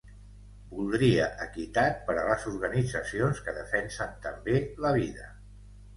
Voldria equitat per a les organitzacions que defensen també la vida.